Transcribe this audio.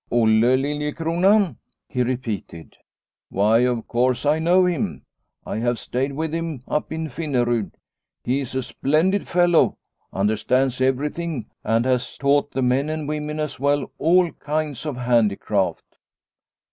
" Olle Liliecrona," he repeated. " Why, of course I know him. I have stayed with him up in Finnerud. He is a splendid fellow, under stands everything, and has taught the men and women as well all kinds of handicraft."